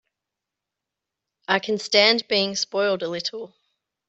I can stand being spoiled a little.